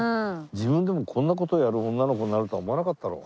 自分でもこんな事やる女の子になるとは思わなかったろ？